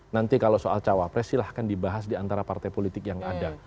nanti kalau soal cawapres silahkan dibahas diantara partai politik yang ada